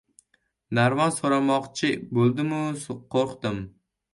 Narvon so‘ramoqchi bo‘ldim-u qo‘rqdim.